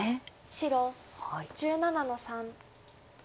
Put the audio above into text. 白１７の三。